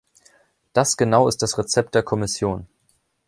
Das genau ist das Rezept der Kommission.